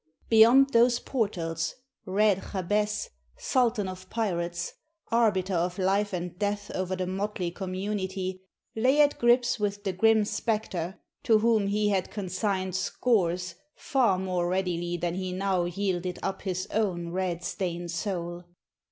Beyond those portals Red Jabez, Sultan of pirates, arbiter of life and death over the motley community, lay at grips with the grim specter to whom he had consigned scores far more readily than he now yielded up his own red stained soul.